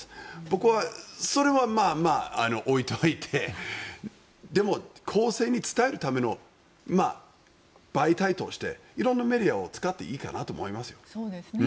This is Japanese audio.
僕はそれはまあまあ置いといてでも、後世に伝えるための媒体として色んなメディアを使っていいかなと思いますよね。